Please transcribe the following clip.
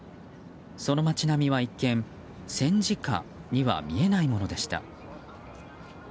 その街並みは一見戦時下には見えないものでした。